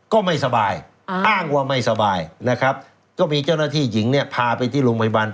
ก็ไม่สบายอ้างว่าไม่สบายนะครับก็มีเจ้าหน้าที่หญิงเนี่ยพาไปที่โรงพยาบาล